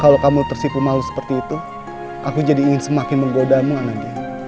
kalau kamu tersipu malu seperti itu aku jadi ingin semakin menggodaimu anandya